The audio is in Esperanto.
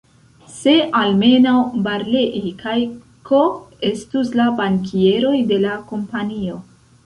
Se almenaŭ Barlei kaj K-o estus la bankieroj de la Kompanio!